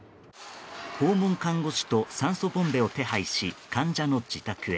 訪問看護師と酸素ボンベを手配し患者の自宅へ。